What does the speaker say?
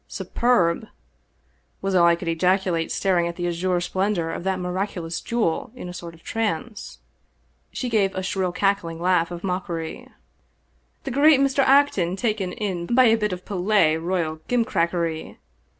"" Superb !" was all I could ejaculate, staring at the azure splendor of that miraculous jewel in a sort of trance. She gave a shrill cackling laugh of mockery. " The great Mr. Acton taken in by a bit of Palais Royal gimcrackery